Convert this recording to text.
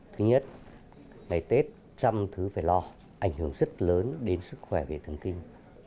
thứ nhất ngày tết trăm thứ phải lo ảnh hưởng rất lớn đến sức khỏe về thần kinh